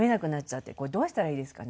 これどうしたらいいですかね？